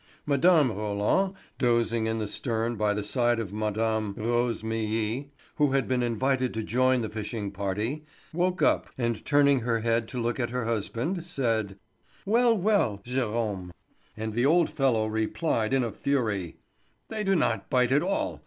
Mme. Roland, dozing in the stern by the side of Mme. Rosémilly, who had been invited to join the fishing party, woke up, and turning her head to look at her husband, said: "Well, well! Gérome." And the old fellow replied in a fury: "They do not bite at all.